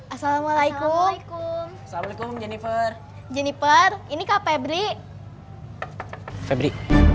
assalamualaikum jennifer jennifer ini kak febri febri